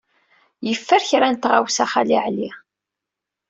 Yeffer kra n tɣawsa Xali Ɛli.